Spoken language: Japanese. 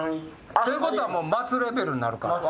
ということはもう松レベルになるか。